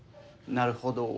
なるほど。